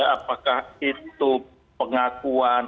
apakah itu pengakuan